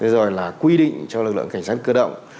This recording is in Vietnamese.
rồi là quy định cho lực lượng cảnh sát cơ động